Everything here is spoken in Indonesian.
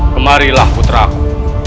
kemarilah putra ku